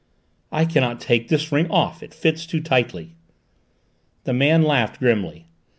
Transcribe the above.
"I cannot take this ring off: it fits too tight." The man laughed grimly.